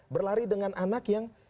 berlari dengan anak yang